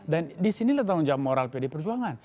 dan disinilah tanggung jawab moral pd perjuangan